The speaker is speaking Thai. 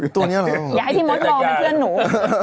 อย่าให้พี่มดลองนะเพื่อนหนู